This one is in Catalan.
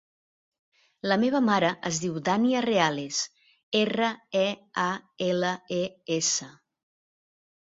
La meva mare es diu Dània Reales: erra, e, a, ela, e, essa.